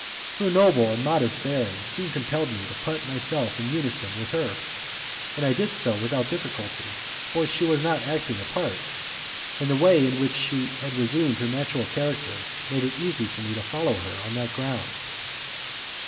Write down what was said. Her noble and modest bearing soon compelled me to put myself in unison with her, and I did so without difficulty, for she was not acting a part, and the way in which she had resumed her natural character made it easy for me to follow her on that ground.